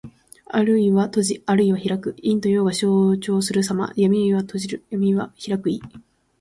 あるいは閉じ、あるいは開く。陰と陽が消長するさま。「闔」は閉じる。「闢」は開く意。